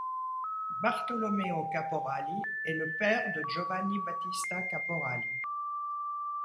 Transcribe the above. Bartolomeo Caporali est le père de Giovanni Battista Caporali.